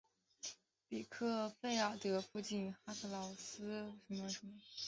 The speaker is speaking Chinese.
比克费尔德附近哈斯劳是奥地利施蒂利亚州魏茨县的一个市镇。